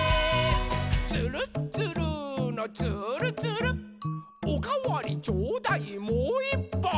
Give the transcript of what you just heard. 「つるっつるーのつーるつる」「おかわりちょうだいもういっぱい！」